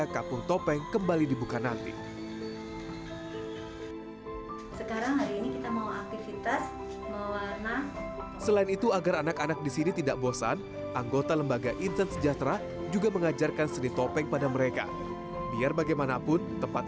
kampung topeng jawa timur